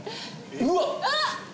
うわっ！